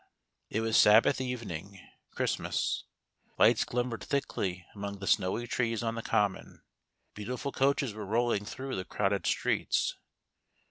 It was Sabbath evening — Christmas. Lights glimmered thickly among the snowy trees on the Common ; beautiful coaches were rolling through the crowded streets.